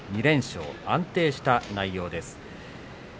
２連勝、安定した出だしです。